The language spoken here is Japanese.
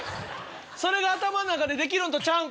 それが頭の中でできるんとちゃうんか